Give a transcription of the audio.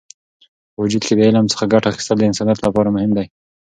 په وجود کې د علم څخه ګټه اخیستل د انسانیت لپاره مهم دی.